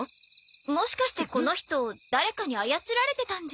もしかしてこの人誰かに操られてたんじゃ。